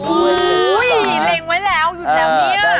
อุ๊ยเล็งไว้แล้วหยุดแบบนี้อะ